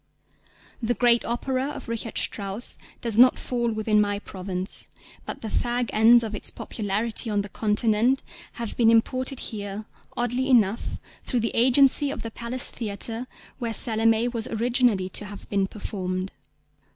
The great opera of Richard Strauss does not fall within my province; but the fag ends of its popularity on the Continent have been imported here oddly enough through the agency of the Palace Theatre, where Salomé was originally to have been performed.